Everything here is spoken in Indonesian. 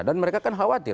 dan mereka kan khawatir